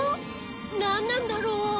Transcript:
なんなんだろう？